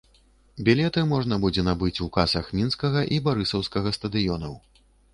Білеты можна будзе набыць у касах мінскага і барысаўскага стадыёнаў.